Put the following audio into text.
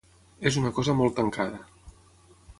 És una cosa molt tancada.